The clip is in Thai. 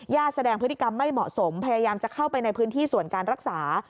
แสดงพฤติกรรมไม่เหมาะสมพยายามจะเข้าไปในพื้นที่ส่วนการรักษา